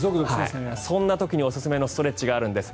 そんな時におすすめのストレッチがあるんです。